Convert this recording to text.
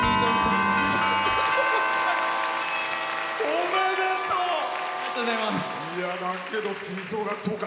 おめでとう！